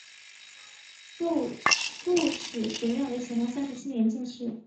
父许学范为乾隆三十七年进士。